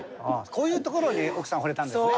こういうところに奥さん惚れたんですね。